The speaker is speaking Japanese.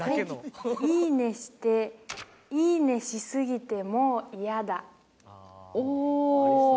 「いいねしていいねしすぎてもういやだ」